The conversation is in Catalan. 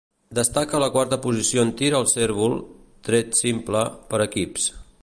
Destaca la quarta posició en tir al cérvol, tret simple, per equips.